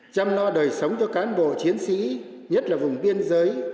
chăm lo đời sống cho cán bộ chiến sĩ nhất là vùng biên giới